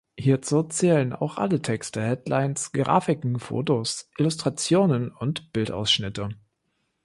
Hierzu zählen auch alle Texte, Headlines, Grafiken, Fotos, Illustrationen und Bildausschnitte.